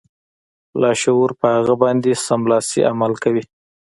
لاشعور په هغه باندې سملاسي عمل کوي